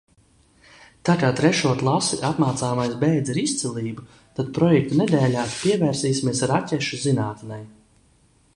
Tā kā trešo klasi apmācāmais beidza ar izcilību, tad projektu nedēļā pievērsīsimies raķešu zinātnei.